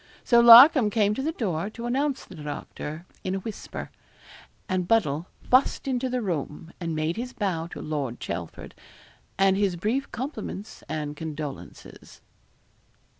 So Larcom came to the door to announce the doctor in a whisper, and Buddle fussed into the room, and made his bow to Lord Chelford, and his brief compliments and condolences.